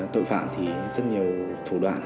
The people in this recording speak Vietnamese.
tội phạm thì rất nhiều thủ đoạn